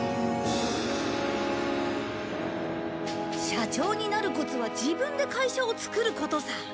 社長になるコツは自分で会社をつくることさ。